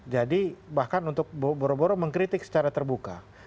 jadi bahkan untuk boroboro mengkritik secara terbuka